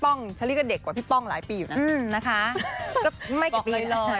โอเคได้ค่ะโอเค